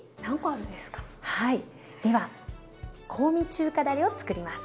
はいでは香味中華だれをつくります。